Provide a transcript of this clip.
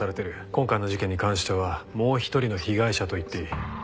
今回の事件に関してはもう一人の被害者と言っていい。